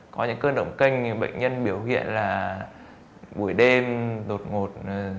có những cơn động kinh bệnh nhân biểu hiện là buổi đêm đột ngột